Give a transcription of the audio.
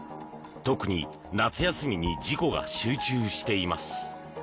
特に、夏休みに事故が集中しています。